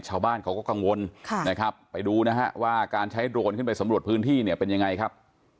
ชาวบ้านเขาก็กังวลนะครับไปดูนะฮะว่าการใช้โดรนขึ้นไปสำรวจพื้นที่เนี่ยเป็นยังไงครับ